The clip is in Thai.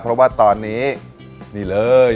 เพราะว่าตอนนี้นี่เลย